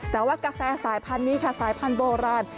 แต่ว่ากาแฟสายพันธุ์นี้ค่ะสายพันธุ์โบราณ